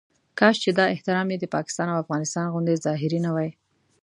کاش چې دا احترام یې د پاکستان او افغانستان غوندې ظاهري نه وي.